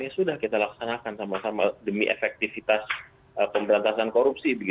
sudah kita laksanakan sama sama demi efektivitas pemberantasan korupsi